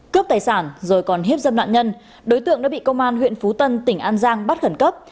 cướp tài sản rồi còn hiếp dâm nạn nhân đối tượng đã bị công an huyện phú tân tỉnh an giang bắt khẩn cấp